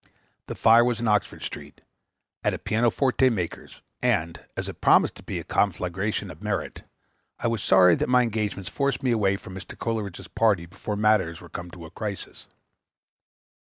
The fire was in Oxford Street, at a piano forte maker's; and, as it promised to be a conflagration of merit, I was sorry that my engagements forced me away from Mr. Coleridge's party before matters were come to a crisis.